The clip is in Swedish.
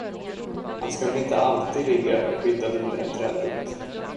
Han ska väl inte alltid ligga skyddad under en trädrot.